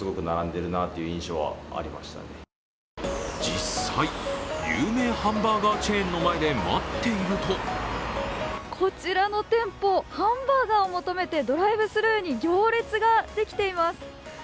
実際、有名ハンバーガーチェーンの前で待っているとこちらの店舗、ハンバーガーを求めてドライブスルーに行列ができています。